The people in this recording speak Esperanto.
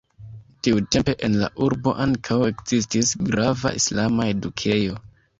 Tiutempe en la urbo ankaŭ ekzistis grava islama edukejo.